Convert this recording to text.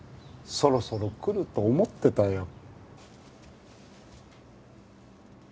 そろそろ来ると思ってたよ。